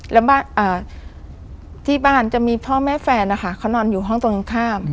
แล้วบ้านที่บ้านจะมีพ่อแม่แฟนนะคะเขานอนอยู่ห้องตรงข้าม